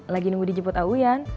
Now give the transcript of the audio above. lagi nunggu dijemput auyan